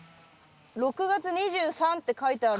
６月２３って書いてある。